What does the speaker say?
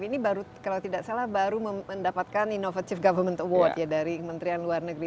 ini baru kalau tidak salah baru mendapatkan inovative government award ya dari kementerian luar negeri